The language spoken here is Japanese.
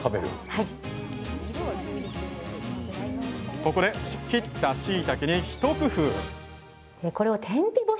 ここで切ったしいたけに一工夫！